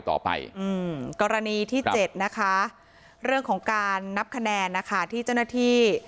ต่อไปอืมกรณีที่เจ็ดนะคะเรื่องของการนับคะแนนนะคะที่เจ้าหน้าที่